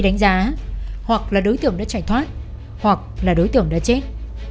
để đánh giá hoặc là đối tượng đã trải thoát hoặc là đối tượng đã chết